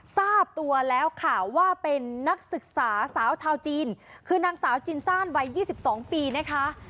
ทราบตัวแล้วค่ะว่าเป็นนักศึกษาสาวชาวจีนคือนางสาวจินซ่านวัย๒๒ปีนะคะ